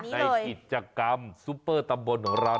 ในกิจกรรมซุปเปอร์ตำบลของเรา